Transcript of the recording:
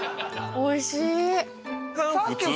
おいしい。